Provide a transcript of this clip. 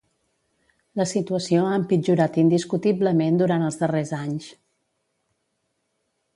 La situació ha empitjorat indiscutiblement durant els darrers anys.